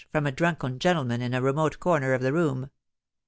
from a drunken gentleman in a remote corner of the room.